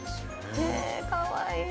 えかわいい。